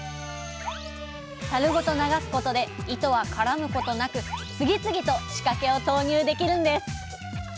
たるごと流すことで糸は絡むことなく次々と仕掛けを投入できるんです。